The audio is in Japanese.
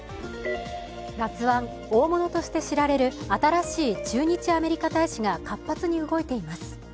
らつ腕、大物として知られる新しい駐日アメリカ大使が活発に動いています。